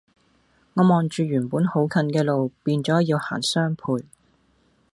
我望住原本好近嘅路變到要行雙倍